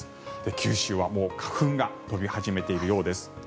九州はもう花粉が飛び始めているようです。